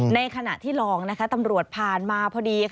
ในขณะที่ลองตำรวจผ่านมาพอดี